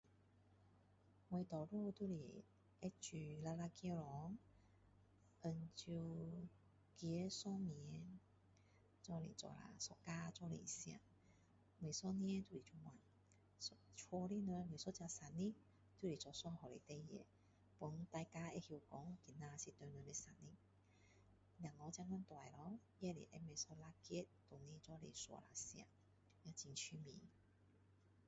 我多数都会煮两粒鸡蛋，红酒鸡寿面。一起做啦一家一起吃，每一年都是这样。一家的人，每个人生日，就是做一样的事情，给大家知晓说是谁的生日。小孩现今大了，也会买一粒 cake 回来一起切来吃，也很有趣味。